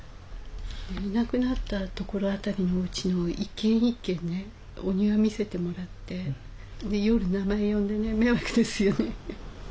いなくなった所辺りのおうちの一軒一軒ねお庭見せてもらって夜名前呼んでね迷惑ですよね。